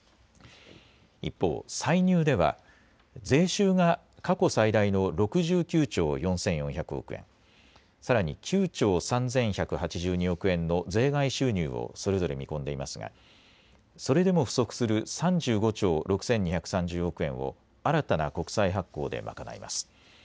一方、歳入では税収が過去最大の６９兆４４００億円、さらに９兆３１８２億円の税外収入をそれぞれ見込んでいますがそれでも不足する３５兆６２３０億円を新たな国債発行で賄います。